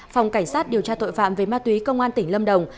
phòng cảnh sát điều tra tội phạm về ma túy công an tỉnh lâm đồng